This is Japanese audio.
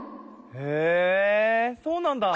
へえそうなんだ。